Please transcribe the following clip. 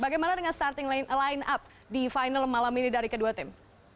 bagaimana dengan starting line up di final malam ini dari kedua tim